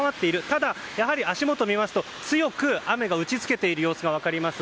ただ、足元を見ますと強く雨が打ち付けている様子が分かります。